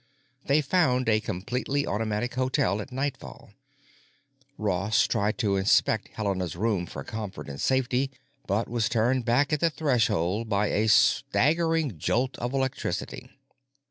They found a completely automatic hotel at nightfall. Ross tried to inspect Helena's room for comfort and safety, but was turned back at the threshold by a staggering jolt of electricity.